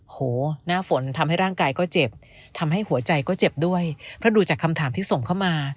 โหหน้าฝนทำให้ร่างกายก็เจ็บทำให้หัวใจก็เจ็บด้วยเพราะดูจากคำถามที่ส่งเข้ามา